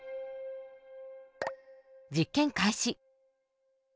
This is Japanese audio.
実験開始。